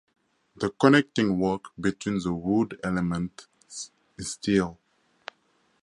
The connecting work between the wood elements is steel.